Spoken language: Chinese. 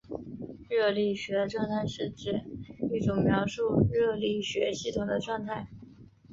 热力学状态是指一组描述热力学系统的状态。